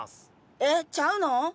え？ちゃうの？